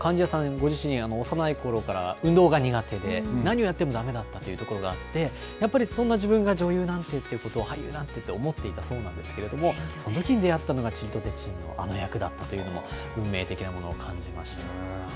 ご自身、幼いころから運動が苦手で、何をやってもだめだったというところがあって、やっぱりそんな自分が女優なんて、俳優なんてって思っていたそうなんですけれども、そのときに出会ったのが、ちりとてちんのあの役だったというのも運命的なものを感じました。